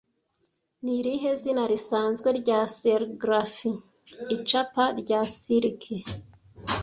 Ni irihe zina risanzwe rya serigraphy Icapa rya silike